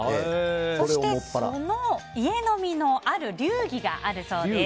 そして、その家飲みのある流儀があるそうです。